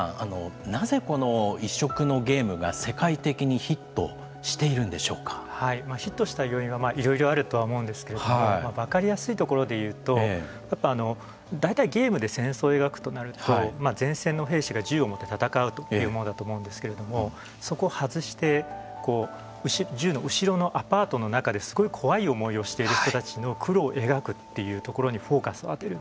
なぜこの異色のゲームが世界的にヒットヒットした要因はいろいろあるとは思うんですけれども分かりやすいところでいうとやっぱり大体ゲームで戦争を描くとなると前線の兵士が銃を持って戦うというものだと思うんですけれどもそこを外して、銃の後ろのアパートの中ですごい怖い思いをしている人たちの苦労を描くというところにフォーカスを当てる。